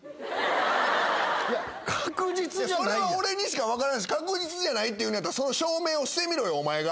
それ俺にしか分からんし確実じゃないっていうんやったら証明をしてみろよお前が。